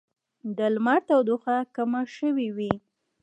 د لمر تودوخه کمه شوې وي